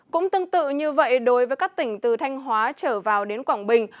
cũng tương tự như vậy đối với các tỉnh từ thanh hóa trở vào đến quảng bình